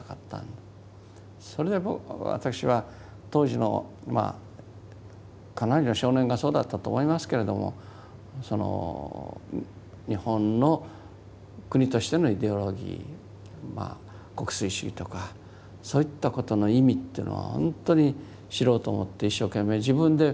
それで私は当時のかなりの少年がそうだったと思いますけれども日本の国としてのイデオロギー国粋主義とかそういったことの意味っていうのは本当に知ろうと思って一生懸命自分で勉強しました。